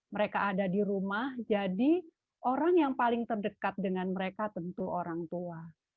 mereka ada di rumah jadi orang yang paling terdekat dengan mereka tentu orang tua